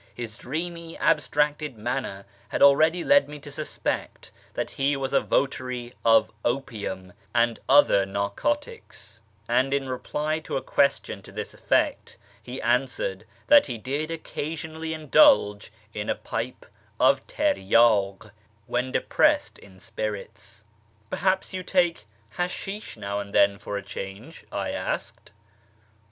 His dreamy abstracted manner had already led me to suspect that he was a votary of opium and other narcotics, and in reply to a question to this effect he answered that he did occasionally indulge in a pipe of tirydk when depressed in spirits. " Perhaps you take hashish now and then for a change ?" I asked.